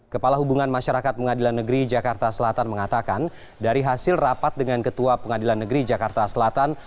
kepala hubungan masyarakat pengadilan negeri jakarta selatan mengatakan dari hasil rapat dengan ketua pengadilan negeri jakarta selatan